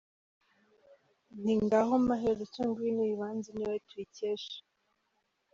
Nti ngaho Maheru Cyo ngwino uyibanze Ni wowe tuyikesha.